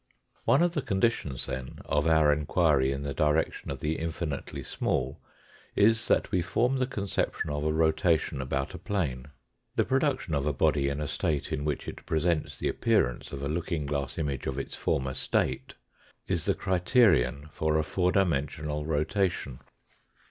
One of the conditions, then, of our inquiry in the direction of the infinitely small is that we form the con ception of a rotation about a plane. The production of a body in a state in which it presents the appearance of a looking glass image of its former state is the criterion for a four dimensional rotation.